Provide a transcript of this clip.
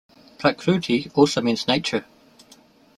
Prakruti also means nature.